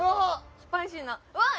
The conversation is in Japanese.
スパイシーなわっ！